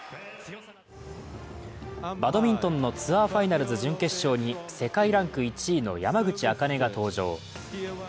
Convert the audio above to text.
バドミントンのツアーファイナルズ準決勝に世界ランク１位の山口茜が登場。